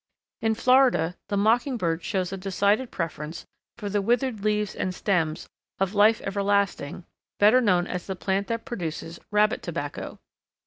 In Florida the Mockingbird shows a decided preference for the withered leaves and stems of life everlasting, better known as the plant that produces "rabbit tobacco."